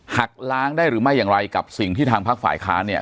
หักล้างได้หรือไม่อย่างไรกับสิ่งที่ทางภาคฝ่ายค้านเนี่ย